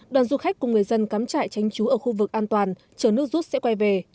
đoàn du khách cùng người dân cắm trại tránh trú ở khu vực an toàn chờ nước rút sẽ quay về